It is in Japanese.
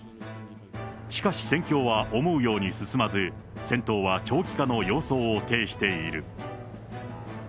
しかし、戦況は思うように進まず、戦闘は長期化の様相を呈している。